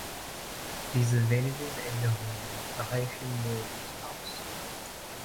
Diese wenigen Änderungen reichen mir nicht aus.